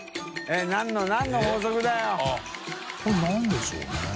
海何でしょうね？